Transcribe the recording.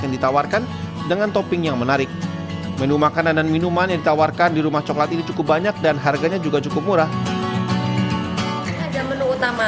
serta ada juga beberapa minuman yang original seperti coklat original dan teri minuman